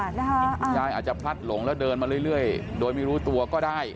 ยายอาจจะพลัดหลงแล้วเดินมาเรื่อยโดยไม่รู้ตัวก็ได้